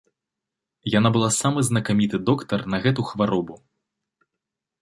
Яна была самы знакаміты доктар на гэту хваробу.